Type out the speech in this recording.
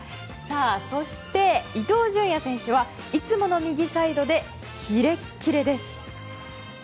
そして、伊東純也選手はいつもの右サイドでキレキレです。